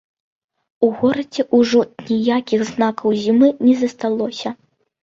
У горадзе ўжо ніякіх знакаў зімы не засталося.